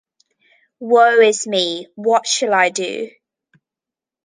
Woe is me, what shall I do?